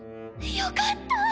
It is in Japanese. よかった！